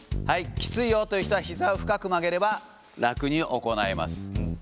きついよという人は、ひざを深く曲げれば、楽に行えます。